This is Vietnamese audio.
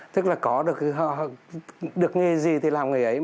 tức là có được nghề gì thì làm nghề ấy